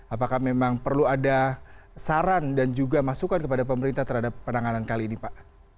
apakah memang perlu ada saran dan juga masukan kepada pemerintah terhadap penanganan kali ini pak